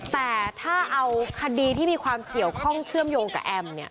แต่ถ้าเอาคดีที่มีความเกี่ยวข้องเชื่อมโยงกับแอมเนี่ย